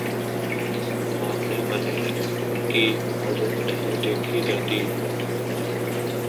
مانگنے والے کی حاجت نہیں دیکھی جاتی